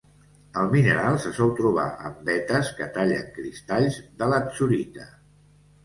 El mineral se sol trobar en vetes que tallen cristalls de latzurita.